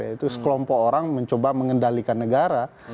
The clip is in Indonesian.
yaitu sekelompok orang mencoba mengendalikan negara